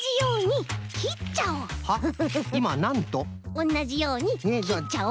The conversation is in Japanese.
おんなじようにきっちゃおう。